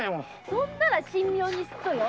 それなら神妙にすっとよ。